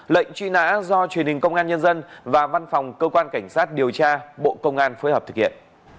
lệnh truy nã do truyền hình công an nhân dân và văn phòng cơ quan cảnh sát điều tra bộ công an phối hợp thực hiện